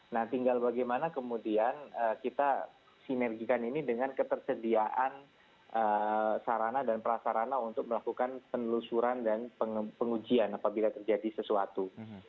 nah tinggal bagaimana kemudian kita sinergikan ini dengan ketersediaan sarana dan prasarana untuk melakukan penelusuran dan pengujian apabila terjadi sesuatu